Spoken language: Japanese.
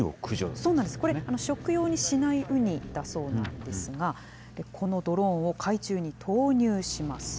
そうなんです、これ、食用にしないウニなんだそうですが、このドローンを海中に投入します。